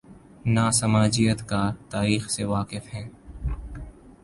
نہ سماجیات کا" تاریخ سے واقف ہیں۔